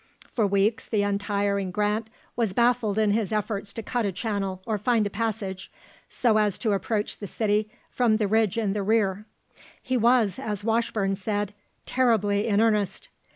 For weeks the untiring Grant was baffled in his efforts to cut a channel or find a passage, so as to approach the city from the ridge in the rear. He was, as Washburne said, "terribly in earnest."